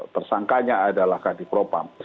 tersangkanya adalah kadifropam